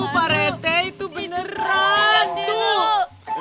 pak rt itu beneran tuh